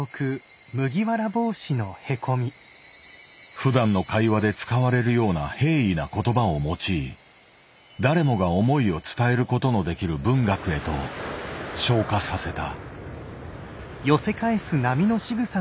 ふだんの会話で使われるような平易な言葉を用い誰もが思いを伝えることのできる文学へと昇華させた。